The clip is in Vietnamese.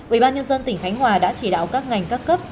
ubnd tỉnh khánh hòa đã chỉ đạo các ngành các cấp